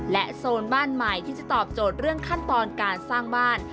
โซนบ้านใหม่ที่จะตอบโจทย์เรื่องขั้นตอนการสร้างบ้าน